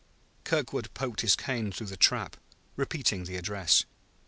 Kirkwood poked his cane through the trap, repeating the address.